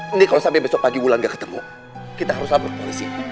ini kalau sampai besok pagi bulan gak ketemu kita harus upload polisi